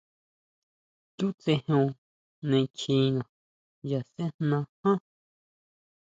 Chútsejeon ne kjiná ʼya sejná ján.